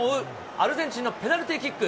アルゼンチンのペナルティーキック。